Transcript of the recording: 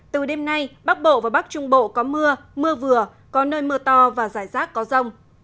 từ đêm nay bắc bộ và bắc trung bộ có mưa mưa vừa có nơi mưa to và rải rác có rông